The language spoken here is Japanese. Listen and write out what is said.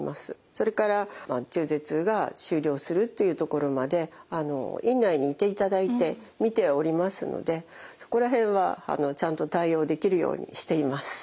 それから中絶が終了するというところまで院内にいていただいてみておりますのでそこら辺はちゃんと対応できるようにしています。